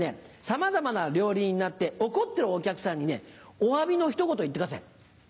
さまざまな料理人になって怒ってるお客さんにおわびのひと言を言ってください。